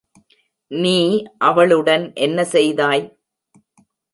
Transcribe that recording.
நீ அவளுடன் என்ன செய்தாய்?